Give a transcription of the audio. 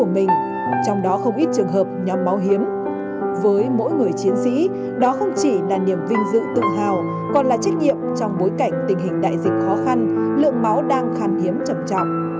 mỗi người chiến sĩ đó không chỉ là niềm vinh dự tự hào còn là trách nhiệm trong bối cảnh tình hình đại dịch khó khăn lượng máu đang khàn hiếm chậm chọc